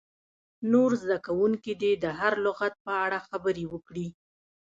نور زده کوونکي دې د هر لغت په اړه خبرې وکړي.